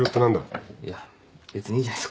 いや別にいいじゃないそこは。